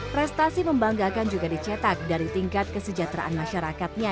prestasi membanggakan juga dicetak dari tingkat kesejahteraan masyarakatnya